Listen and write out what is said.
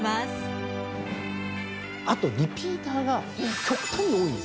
あとリピーターが極端に多いんです。